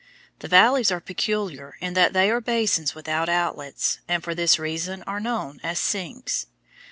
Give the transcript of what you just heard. The valleys are peculiar in that they are basins without outlets, and for this reason are known as sinks.